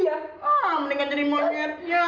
ya mendingan jadi monyetnya